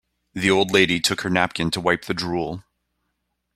The old lady took her napkin to wipe the drool.